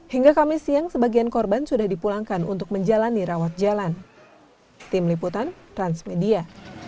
hingga kamis siang sebagian korban sudah dipulangkan untuk menjalani rawat jalan tim liputan transmedia